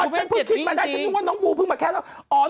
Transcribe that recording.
ก็พาน้องบูไม่เกียจดีกันจริง